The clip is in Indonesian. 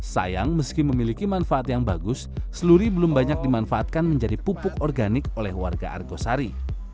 sayang meski memiliki manfaat yang bagus seluri belum banyak dimanfaatkan menjadi pupuk organik oleh warga argosari